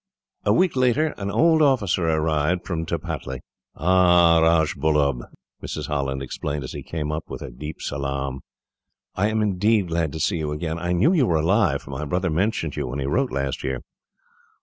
A week later, an old officer arrived from Tripataly. "Ah, Rajbullub," Mrs. Holland exclaimed, as he came up with a deep salaam; "I am, indeed, glad to see you again. I knew you were alive, for my brother mentioned you when he wrote last year."